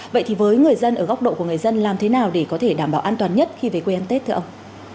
vậy thì với người dân ở góc độ của người dân làm thế nào để có thể đảm bảo an toàn nhất khi về quê ăn tết thưa ông